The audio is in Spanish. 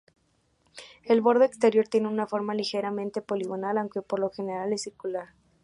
El borde exterior tiene una forma ligeramente poligonal, aunque por lo general es circular.